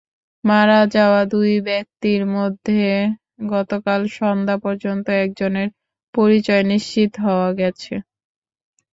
মারা যাওয়া দুই ব্যক্তির মধ্যে গতকাল সন্ধ্যা পর্যন্ত একজনের পরিচয় নিশ্চিত হওয়া গেছে।